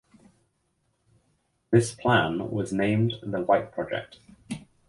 This plan was named the White Project.